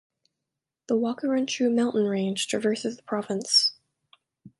The Waqurunchu mountain range traverses the province.